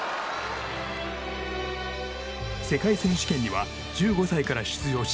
世界選手権には１５歳から出場し